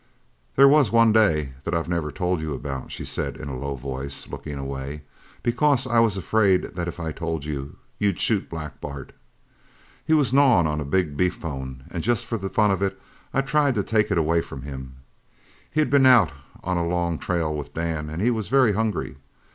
"There was one day that I've never told you about," she said in a low voice, looking away, "because I was afraid that if I told you, you'd shoot Black Bart. He was gnawing a big beef bone and just for fun I tried to take it away from him. He'd been out on a long trail with Dan and he was very hungry.